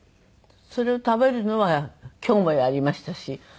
それを食べるのは今日もやりましたし。